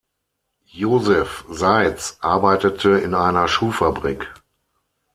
Josef Seiz arbeitete in einer Schuhfabrik.